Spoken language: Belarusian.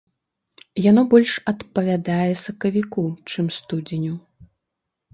Яно больш адпавядае сакавіку, чым студзеню.